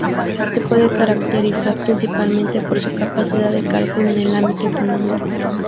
Se puede caracterizar, principalmente, por su capacidad de cálculo en el ámbito económico.